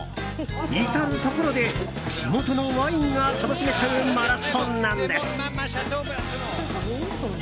至るところで、地元のワインが楽しめちゃうマラソンなんです。